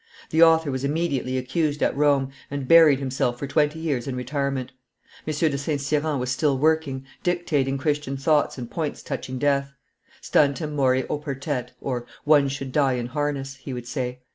The author was immediately accused at Rome, and buried himself for twenty years in retirement. M. de St. Cyran was still working, dictating Christian thoughts and points touching death. Stantem mori oportet (One should die in harness), he would say.